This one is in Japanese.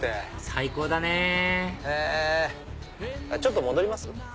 最高だねちょっと戻ります？